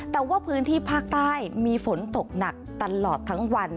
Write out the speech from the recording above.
แต่ว่าพื้นที่ภาคใต้มีฝนตกหนักตลอดทั้งวัน